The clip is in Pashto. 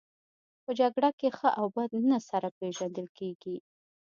په جګړه کې ښه او بد نه سره پېژندل کیږي